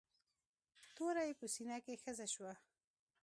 توره يې په سينه کښې ښخه شوه.